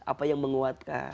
apa yang menguatkan